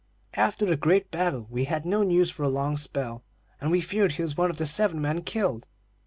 After the great battle we had no news for a long spell, and we feared he was one of the seven men killed.